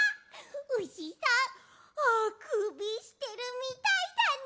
うしさんあくびしてるみたいだね。